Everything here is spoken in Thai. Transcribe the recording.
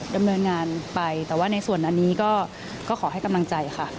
ดำเนินงานไปแต่ว่าในส่วนอันนี้ก็ขอให้กำลังใจค่ะ